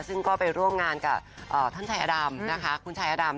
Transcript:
ซึ่งก็ไปร่วมงานกับท่านชายอดำนะคะคุณชายอดำ